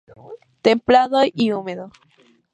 Templado y húmedo.